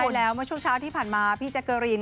ใช่แล้วเมื่อช่วงเช้าที่ผ่านมาพี่แจ๊กเกอรีน